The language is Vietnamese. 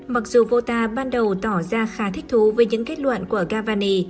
mặc dù pota ban đầu tỏ ra khá thích thú với những kết luận của gavani